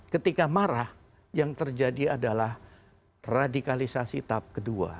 ketika marah yang terjadi adalah radikalisasi tahap kedua